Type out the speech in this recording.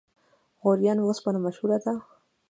غوریان وسپنه مشهوره ده؟